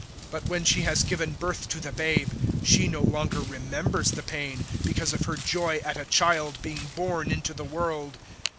But when she has given birth to the babe, she no longer remembers the pain, because of her joy at a child being born into the world.